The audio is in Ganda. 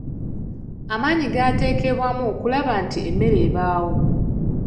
Amaanyi gateekebwamu okulaba nti emmere ebaawo.